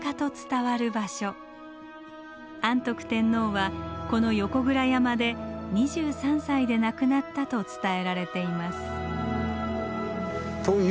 安徳天皇はこの横倉山で２３歳で亡くなったと伝えられています。